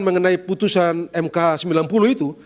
mengenai putusan mk sembilan puluh itu